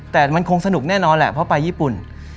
แต่มันคงสนุกแน่นอนแหละเพราะไปญี่ปุ่น